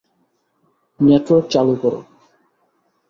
Network চালু করো।